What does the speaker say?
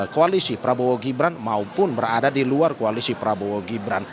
koalisi prabowo gibran maupun berada di luar koalisi prabowo gibran